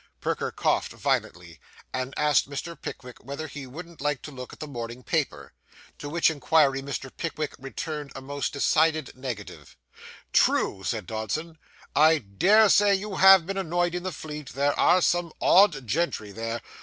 Perker coughed violently, and asked Mr. Pickwick whether he wouldn't like to look at the morning paper. To which inquiry Mr. Pickwick returned a most decided negative. 'True,' said Dodson, 'I dare say you have been annoyed in the Fleet; there are some odd gentry there.